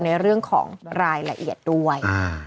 ในเรื่องของรายละเอียดด้วย